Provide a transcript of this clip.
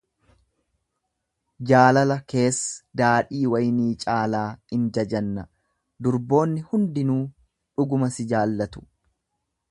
jaalala kees daadhii waynii caalaa in jajanna; durboonni hundinuu dhuguma si jaallatu.